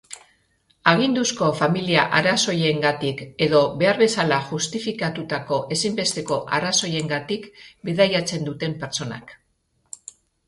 Aginduzko familia-arrazoiengatik edo behar bezala justifikatutako ezinbesteko arrazoiengatik bidaiatzen duten pertsonak.